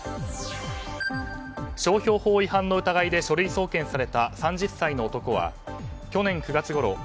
商標法違反の疑いで書類送検された３０歳の男は去年９月ごろ